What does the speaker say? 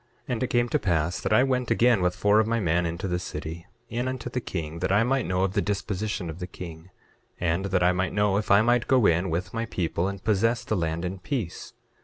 9:5 And it came to pass that I went again with four of my men into the city, in unto the king, that I might know of the disposition of the king, and that I might know if I might go in with my people and possess the land in peace.